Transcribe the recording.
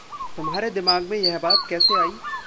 तुम्हारे दिमाग़ में यह बात कैसे आई?